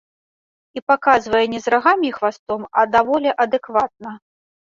І паказвае не з рагамі і хвастом, а даволі адэкватна.